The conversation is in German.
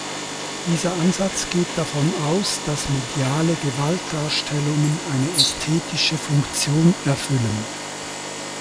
Dieser Ansatz geht davon aus, dass mediale Gewaltdarstellungen eine ästhetische Funktion erfüllen.